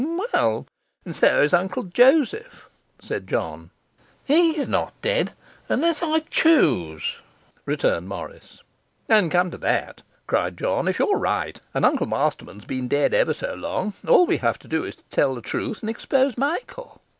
'Well, and so is Uncle Joseph,' said John. 'He's not dead, unless I choose,' returned Morris. 'And come to that,' cried John, 'if you're right, and Uncle Masterman's been dead ever so long, all we have to do is to tell the truth and expose Michael.